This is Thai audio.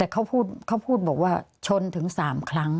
เขาพูดว่าชนถึงสามครั้ง